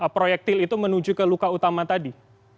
proyektil itu menuju ke luka utama tadi